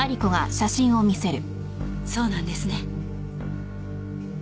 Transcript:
そうなんですね。